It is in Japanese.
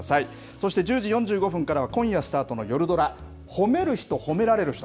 そして１０時４５分からは、今夜スタートの夜ドラ、褒めるひと褒められるひと。